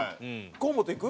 河本いく？